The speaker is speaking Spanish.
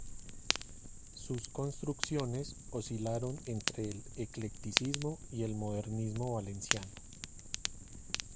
Sus construcciones oscilaron entre el eclecticismo y el modernismo valenciano.